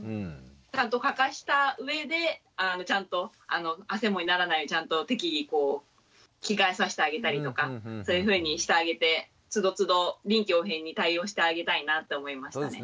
ちゃんとかかした上でちゃんとあせもにならないようにちゃんと適宜着替えさしてあげたりとかそういうふうにしてあげてつどつど臨機応変に対応してあげたいなって思いましたね。